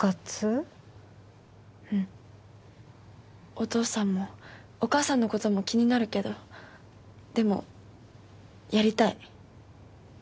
お父さんもお母さんのことも気になるけどでもやりたい。